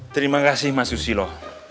terima kasih mas susilo